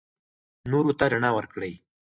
نورو ته رڼا ورکړئ.